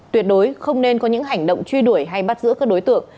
tuyệt đối không nên có những hành động truy đuổi hay bắt giữ các đối tượng